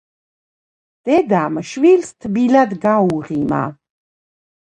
დედამ შვილს თბილად გაუღიმა.